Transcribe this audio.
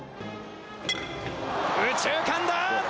右中間だ！